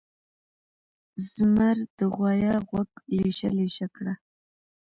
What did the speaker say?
زمر د غوایه غوږه لېشه لېشه کړه.